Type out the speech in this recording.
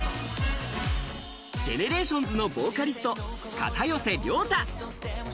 ＧＥＮＥＲＡＴＩＯＮＳのボーカリスト・片寄涼太。